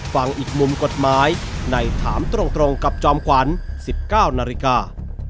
ฟังอีกมุมกฎหมายในถามตรงกับจอมขวัญ๑๙นาฬิกา